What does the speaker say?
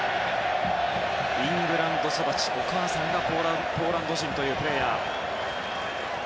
イングランド育ちお母さんがポーランド人というプレーヤー。